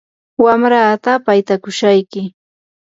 wamrataa paytakushayki.